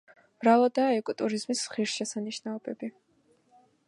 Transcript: მრავლადაა ეკოტურიზმის ღირსშესანიშნაობები.